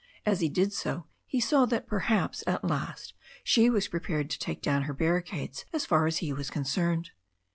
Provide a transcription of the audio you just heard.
As he did so he saw that, perhaps, at last she was prepared to take down her barricades as far as he was concerned.